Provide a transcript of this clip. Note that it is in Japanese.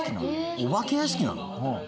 お化け屋敷なの！？